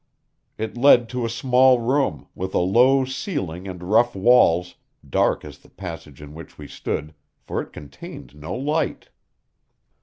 It led to a small room, with a low ceiling and rough walls, dark as the passage in which we stood, for it contained no light.